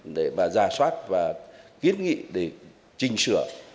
để mà ra soát và kiến nghị để trình sửa